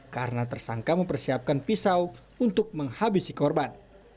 karena tersangka mempersiapkan pisau untuk menghabisi korban